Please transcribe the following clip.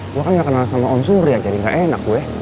gua kan gak kenal sama onsur ya jadi gak enak gue